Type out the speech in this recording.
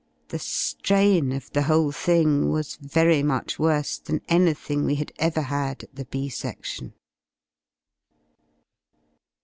The ^rain of the whole thing was very much worse than anything we had ever had at the B sedlion.